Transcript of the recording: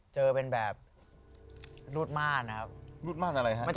เจอเป็นแบบรูดม่าน